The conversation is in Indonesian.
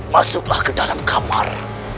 masuklah ke dalam kamar